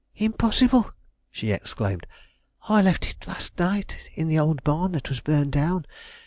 "Impossible!" she exclaimed. "I left it last night in the old barn that was burned down.